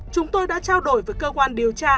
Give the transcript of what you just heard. chúng tôi đã trao đổi với cơ quan điều tra